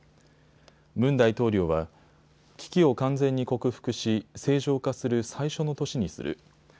ムン大統領は危機を完全に克服し、正常化する最初の年にする。